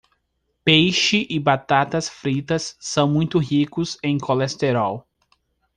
Peixe e batatas fritas são muito ricos em colesterol.